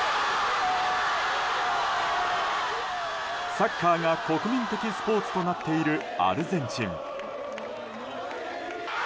サッカーが国民的スポーツとなっているアルゼンチン。